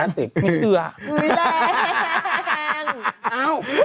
ไม่เชื่อแรง